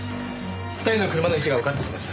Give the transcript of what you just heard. ２人の車の位置がわかったそうです。